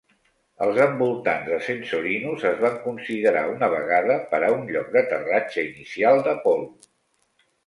Els envoltants de Censorinus es van considerar una vegada per a un lloc d'aterratge inicial d'Apol·lo.